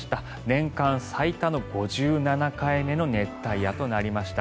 年間最多の５７回目の熱帯夜となりました。